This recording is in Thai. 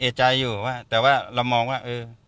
เอกใจอยู่แต่ว่าเรามองว่า